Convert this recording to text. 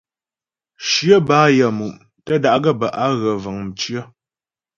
Shyə bɛ́ á yaə́mu' tə́ bə́ á ghə vəŋ mcyə̀.